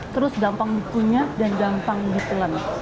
terus gampang dipunya dan gampang dipelen